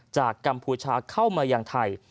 จากกัมพูชาเข้ามาอย่างไทย